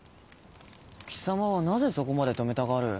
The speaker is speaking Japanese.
貴様はなぜそこまで止めたがる？